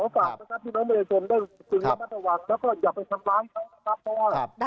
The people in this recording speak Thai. ซึ่งฐัง๓๐เนี่ยในช่วงนี้สภาพถึงแบบนั้นต่างเนี่ยสมบูรณ์ก็ครับ